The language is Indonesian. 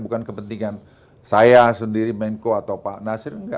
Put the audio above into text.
bukan kepentingan saya sendiri menko atau pak nasir